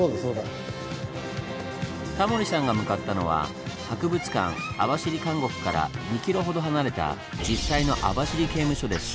タモリさんが向かったのは「博物館網走監獄」から２ｋｍほど離れた実際の網走刑務所です。